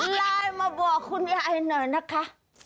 ไลน์มาบอกคุณยายหน่อยนะคะ